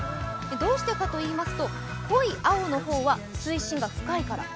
どうしてかといいますと濃い青の方は水深が深いから。